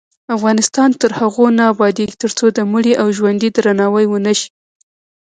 افغانستان تر هغو نه ابادیږي، ترڅو د مړي او ژوندي درناوی ونشي.